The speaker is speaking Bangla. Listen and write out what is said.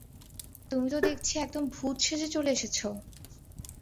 তুমি তো দেখছি একদম ভুত সেজে চলে এসেছ।